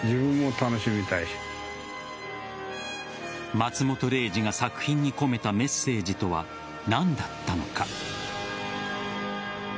松本零士が作品に込めたメッセージとは何だったのか。